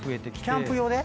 キャンプ用で？